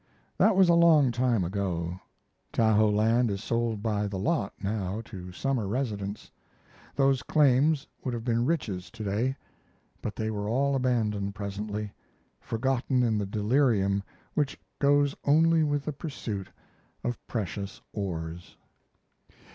That was a long time ago. Tahoe land is sold by the lot, now, to summer residents. Those claims would have been riches to day, but they were all abandoned presently, forgotten in the delirium which goes only with the pursuit of precious ores.